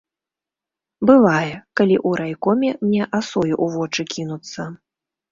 Бывае, калі ў райкоме мне асою ў вочы кінуцца.